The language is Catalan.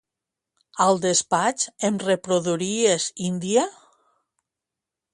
Al despatx em reproduiries indie?